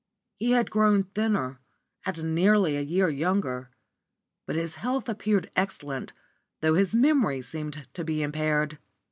He had grown thinner, and nearly a year younger, but his health appeared excellent, though his memory seemed to be impaired.